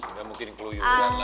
nggak mungkin keluyuran